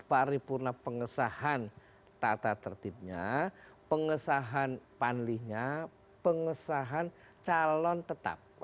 paripurna pengesahan tata tertibnya pengesahan panlihnya pengesahan calon tetap